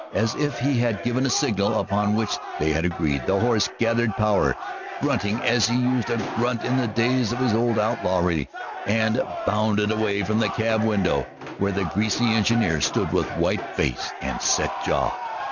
As if he had given a signal upon which they had agreed, the horse gathered power, grunting as he used to grunt in the days of his outlawry, and bounded away from the cab window, where the greasy engineer stood with white face and set jaw.